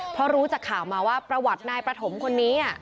เพราะรู้จากข่าวมาว่าประวัตินายประถมคนนี้